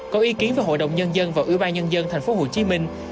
có ý kiến về hội đồng nhân dân và ủy ban nhân dân thành phố hồ chí minh